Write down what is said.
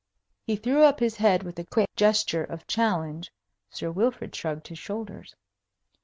He threw up his head with a quick gesture of challenge. Sir Wilfrid shrugged his shoulders.